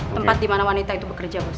tempat dimana wanita itu bekerja bos